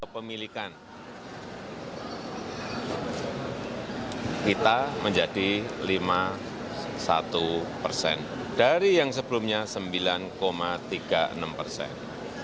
kepemilikan kita menjadi lima puluh satu persen dari yang sebelumnya sembilan tiga puluh enam persen